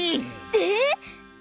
えっ！？